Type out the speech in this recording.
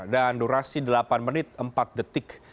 dan durasi delapan menit empat detik